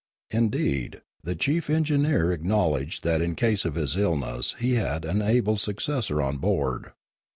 Indeed, the chief engineer acknowledged that in case of his illness he had an able successor on board.